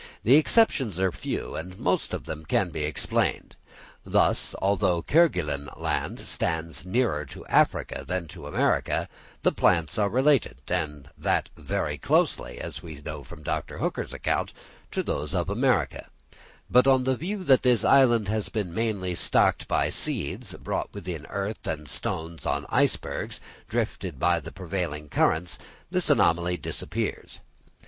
The exceptions are few, and most of them can be explained. Thus, although Kerguelen Land stands nearer to Africa than to America, the plants are related, and that very closely, as we know from Dr. Hooker's account, to those of America: but on the view that this island has been mainly stocked by seeds brought with earth and stones on icebergs, drifted by the prevailing currents, this anomaly disappears.